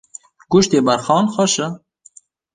Goştê berxan xweş e.